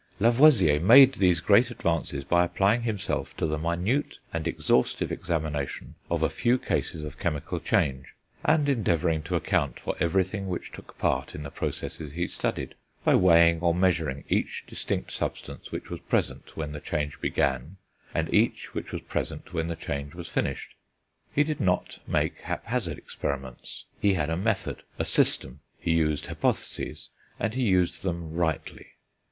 Lavoisier made these great advances by applying himself to the minute and exhaustive examination of a few cases of chemical change, and endeavouring to account for everything which took part in the processes he studied, by weighing or measuring each distinct substance which was present when the change began, and each which was present when the change was finished. He did not make haphazard experiments; he had a method, a system; he used hypotheses, and he used them rightly.